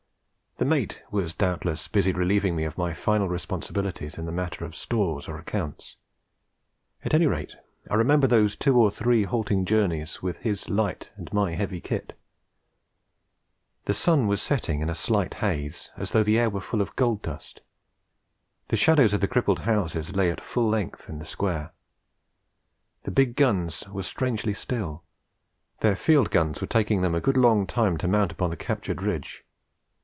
The mate was doubtless busy relieving me of my final responsibilities in the matter of stores or accounts; at any rate I remember those two or three halting journeys with his light and my heavy kit. The sun was setting in a slight haze, as though the air were full of gold dust. The shadows of the crippled houses lay at full length in the square. The big guns were strangely still; their field guns were taking them a good long time to mount upon the captured ridge.